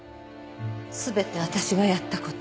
全て私がやった事。